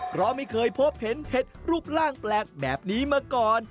เพราะไม่เคยพบเห็นเห็ดรูปร่างแปลกแบบนี้มาก่อน